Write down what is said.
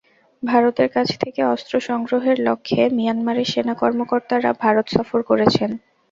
ভারতের কাছ থেকে অস্ত্র সংগ্রহের লক্ষ্যে মিয়ানমারের সেনা কর্মকর্তারা ভারত সফর করেছেন।